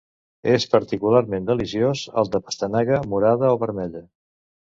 És particularment deliciós el de pastanaga morada o vermella